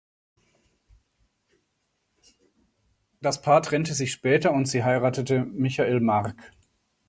Das Paar trennte sich später und sie heiratete Michael Mark.